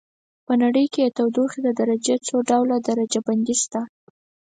په نړۍ کې د تودوخې د درجې څو ډول درجه بندي شته.